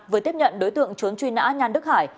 vừa tiếp nhận đối tượng trốn truy nã nhan đức hải